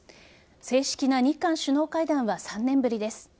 正式な日韓首脳会談は３年ぶりです。